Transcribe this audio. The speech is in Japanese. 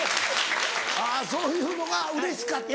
あぁそういうのがうれしかったのか。